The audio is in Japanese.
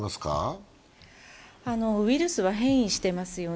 ウイルスは変異してますよね。